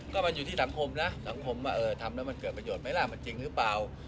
ก็มันอยู่ที่สังคมนะสังคมว่าเออทำแล้วมันเกิดประโยชนไหมล่ะมันจริงหรือเปล่า